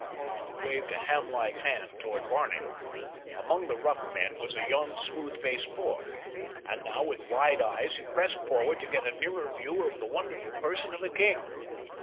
He waved a ham like hand toward Barney. Among the rough men was a young smooth faced boy, and now with wide eyes he pressed forward to get a nearer view of the wonderful person of a king.